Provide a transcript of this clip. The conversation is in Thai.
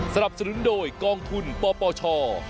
สนับสนุนโดยกองทุนปปช